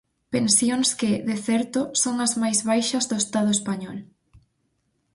Pensións que, de certo, son as máis baixas do Estado español.